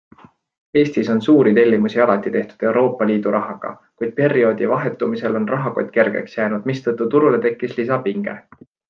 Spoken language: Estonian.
Eestis on suuri tellimusi alati tehtud Euroopa Liidu rahaga, kuid perioodi vahetumisel on rahakott kergeks jäänud, mistõttu turule tekkis lisapinge.